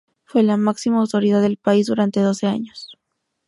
Fue la máxima autoridad del país durante doce años.